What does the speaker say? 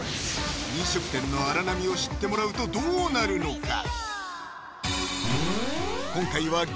飲食店の荒波を知ってもらうとどうなるのか